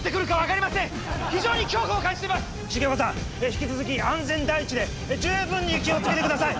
引き続き安全第一で十分に気をつけてください。